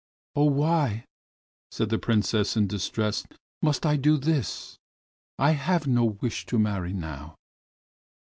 "Oh, why," said the Princess in distress, "must I do this? I have no wish to marry now."